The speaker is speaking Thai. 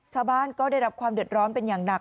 ชาวบ้านก็ได้รับความเดือดร้อนเป็นอย่างหนัก